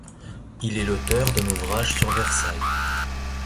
Il est l'auteur d'un ouvrage sur Versailles.